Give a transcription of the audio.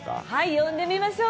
呼んでみましょう。